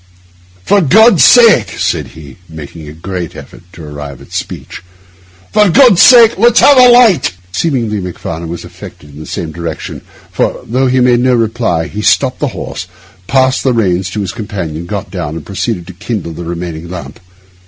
'For God's sake,' said he, making a great effort to arrive at speech, 'for God's sake, let's have a light!' Seemingly Macfarlane was affected in the same direction; for, though he made no reply, he stopped the horse, passed the reins to his companion, got down, and proceeded to kindle the remaining lamp.